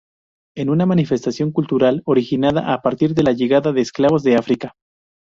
Es una manifestación cultural originada a partir de la llegada de esclavos de África.